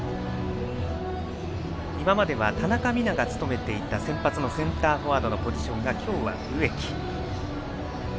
今までは田中美南が務めていた先発のセンターフォワードのポジションが今日は植木。